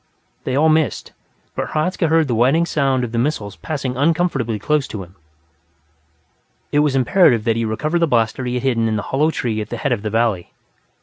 They all missed, but Hradzka heard the whining sound of the missiles passing uncomfortably close to him. It was imperative that he recover the blaster he had hidden in the hollow tree at the head of the valley.